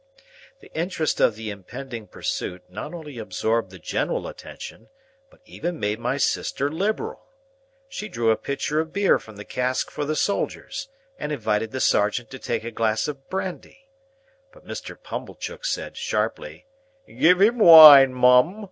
The interest of the impending pursuit not only absorbed the general attention, but even made my sister liberal. She drew a pitcher of beer from the cask for the soldiers, and invited the sergeant to take a glass of brandy. But Mr. Pumblechook said, sharply, "Give him wine, Mum.